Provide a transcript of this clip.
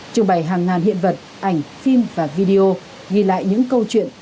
trưng bày hàng ngàn hiện vật ảnh phim và video ghi lại những câu chuyện